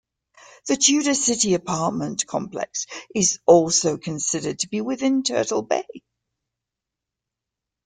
The Tudor City apartment complex is also considered to be within Turtle Bay.